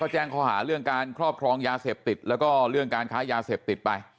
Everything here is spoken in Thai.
แจ้งข้อหาเรื่องการครอบครองยาเสพติดแล้วก็เรื่องการค้ายาเสพติดไป